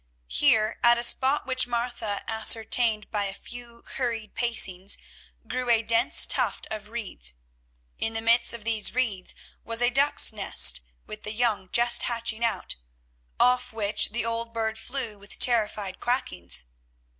Here, at a spot which Martha ascertained by a few hurried pacings, grew a dense tuft of reeds. In the midst of these reeds was a duck's nest with the young just hatching out, off which the old bird flew with terrified quackings.